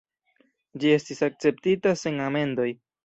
Ĝi estis akceptita sen amendoj.